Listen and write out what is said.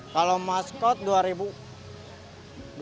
kalau maskot dua ribu dua ribu potong